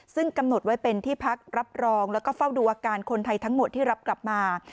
ซึ่งกำหนดไว้เป็นที่พักรับรองแล้วก็เฝ้าดูอาการคนไทยทั้งหมดที่รับกลับมา